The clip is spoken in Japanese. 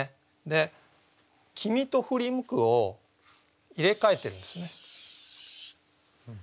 で「君」と「振り向く」を入れ替えてるんですね。